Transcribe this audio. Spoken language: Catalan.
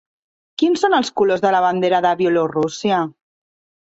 Quins són els colors de la bandera de Bielorússia?